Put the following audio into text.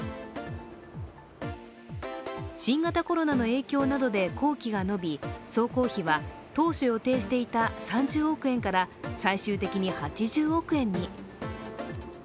新型コロナの影響などで工期が延び、総工費は当初予定していた３０億円から最終的に８０億円に。